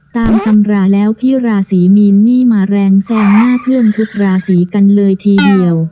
ตามตำราแล้วพี่ราศีมีนนี่มาแรงแซงหน้าเพื่อนทุกราศีกันเลยทีเดียว